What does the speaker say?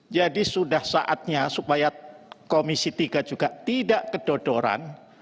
jadi sudah saatnya supaya komisi tiga juga tidak kedodoran